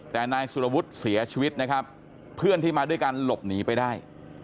แต่นายสุรวุฒิเสียชีวิตนะครับเพื่อนที่มาด้วยกันหลบหนีไปได้